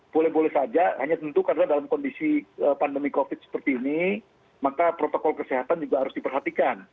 boleh boleh saja hanya tentu karena dalam kondisi pandemi covid seperti ini maka protokol kesehatan juga harus diperhatikan